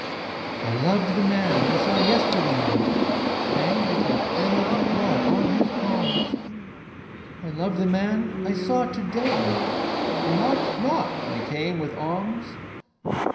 I loved the man I saw yestreen Hanged with his babe's blood on his palms. I loved the man I saw to day Who knocked not when he came with alms.